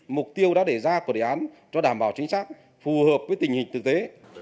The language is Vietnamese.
mục tiêu đã để ra của đề án cho đảm bảo chính xác phù hợp với tình hình thực tế